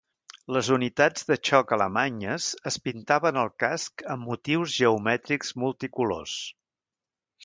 Les unitats de xoc alemanyes es pintaven el casc amb motius geomètrics multicolors.